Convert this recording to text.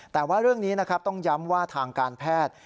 แต่ว่าเรื่องนี้นะครับต้องย้ำว่าทางการแพทย์